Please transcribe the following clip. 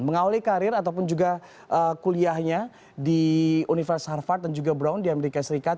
mengawali karir ataupun juga kuliahnya di universitas harvard dan juga brown di amerika serikat